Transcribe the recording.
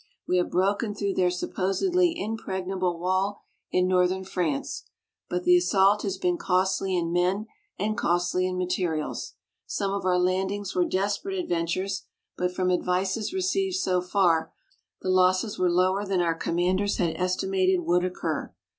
We have broken through their supposedly impregnable wall in northern France. But the assault has been costly in men and costly in materials. Some of our landings were desperate adventures; but from advices received so far, the losses were lower than our commanders had estimated would occur.